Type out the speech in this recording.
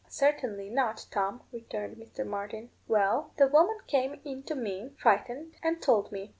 "Certainly not, Tom," returned Mr. Martin. "Well, the woman came in to me, frightened, and told me.